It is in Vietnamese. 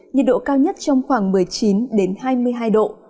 nhiệt độ cao nhất trong khoảng một mươi chín hai mươi hai độ